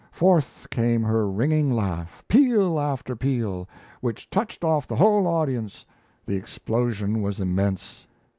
Forth came her ringing laugh, peal after peal, which touched off the whole audience: the explosion was immense!